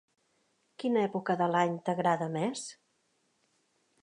Quina època de l'any t'agrada més?